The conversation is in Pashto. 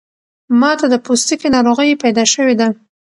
ماته د پوستکی ناروغۍ پیدا شوی ده